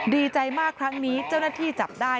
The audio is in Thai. ดีใจมากครั้งนี้เจ้าหน้าที่จับได้